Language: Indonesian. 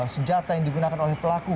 senjata yang digunakan oleh pelaku